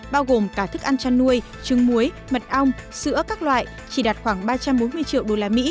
bao gồm cả thức ăn chăn nuôi trứng muối mật ong sữa các loại chỉ đạt khoảng ba trăm bốn mươi triệu usd